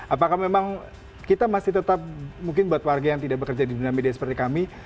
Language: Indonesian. apakah memang kita masih tetap mungkin buat warga yang tidak bekerja di dunia media seperti kami